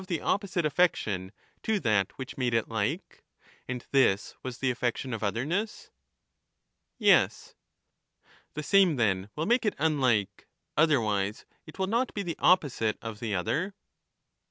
the opposite affection to that which made it like ; and this was the affection of otherness. Yes. The same then will make it unlike ; otherwise it will not be the opposite of the other.